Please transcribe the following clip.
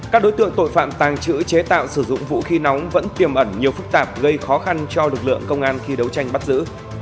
các đối tượng tội phạm tàng trữ chế tạo sử dụng vũ khí nóng vẫn tiềm ẩn nhiều phức tạp gây khó khăn cho lực lượng công an khi đấu tranh bắt giữ